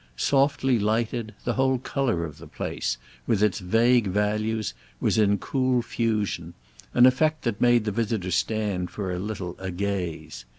Softly lighted, the whole colour of the place, with its vague values, was in cool fusion—an effect that made the visitor stand for a little agaze.